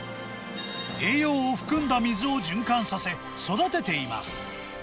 栄養を含んだ水を循環させ、育てています。